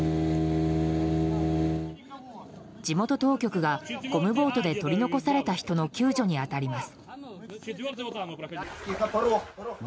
地元当局がゴムボートで取り残された人の救助に当たります。